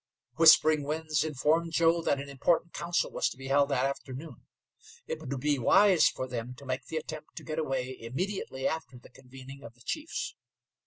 Whispering Winds informed Joe that an important council was to be held that afternoon. It would be wise for them to make the attempt to get away immediately after the convening of the chiefs.